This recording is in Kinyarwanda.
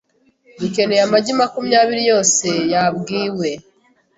Dukeneye amagi makumyabiri yose yabwiwe .